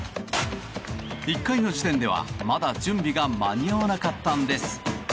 １回の時点では、まだ準備が間に合わなかったんです。